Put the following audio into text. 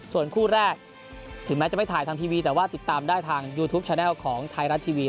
ส่วนคู่แรกถึงแม้จะไม่ถ่ายทางทีวีแต่ว่าติดตามได้ทางยูทูปแนลของไทยรัฐทีวี